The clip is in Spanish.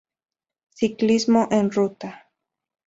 Ciclismo en ruta.